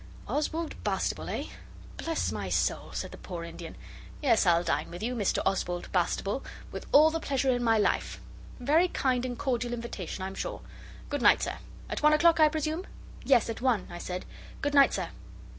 'Oswald Bastable, eh? Bless my soul!' said the poor Indian. 'Yes, I'll dine with you, Mr Oswald Bastable, with all the pleasure in life. Very kind and cordial invitation, I'm sure. Good night, sir. At one o'clock, I presume?' 'Yes, at one,' I said. 'Good night, sir.